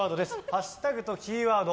ハッシュタグとキーワード